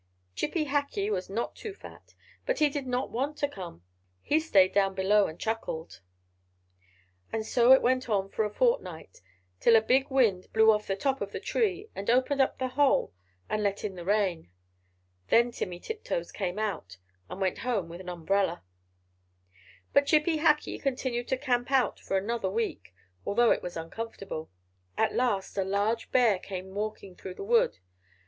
Chippy Hackee was not too fat, but he did not want to come; he stayed down below and chuckled. And so it went on for a fortnight; till a big wind blew off the top of the tree, and opened up the hole and let in the rain. Then Timmy Tiptoes came out, and went home with an umbrella. But Chippy Hackee continued to camp out for another week, although it was uncomfortable. At last a large bear came walking through the wood.